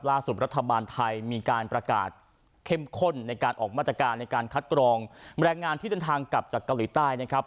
รัฐบาลไทยมีการประกาศเข้มข้นในการออกมาตรการในการคัดกรองแรงงานที่เดินทางกลับจากเกาหลีใต้นะครับ